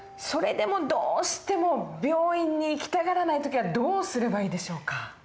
それでもどうしても病院に行きたがらない時はどうすればいいでしょうか？